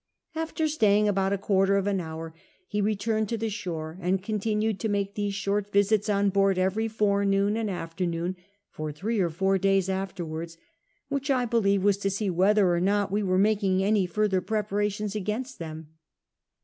After staying about a quarter of an hour he return^ to the shore, and continued to make these short visits on board every forenoon and after noon, for three or four days afterwards ; which 1 believe was to see whether or not we were making any fuither preparations against them.